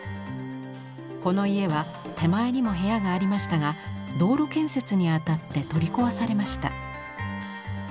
この家は手前にも部屋がありましたが道路建設にあたって取り壊されました。